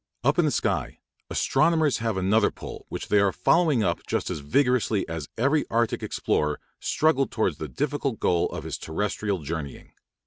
Up in the sky astronomers have another pole which they are following up just as vigorously as ever Arctic explorer struggled toward the difficult goal of his terrestrial journeying.